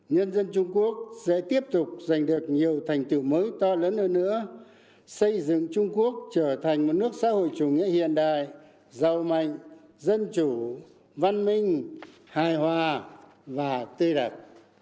nhân dân trung quốc sẽ tiếp tục giành được nhiều thành tựu mới to lớn hơn nữa xây dựng trung quốc trở thành một nước xã hội chủ nghĩa hiện đại giàu mạnh dân chủ văn minh hài hòa và tươi đẹp